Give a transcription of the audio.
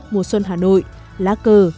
mùa xuân hà nội lá cờ